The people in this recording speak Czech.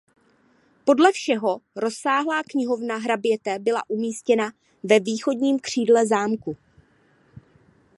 Podle všeho rozsáhlá knihovna hraběte byla umístěna ve východním křídle zámku.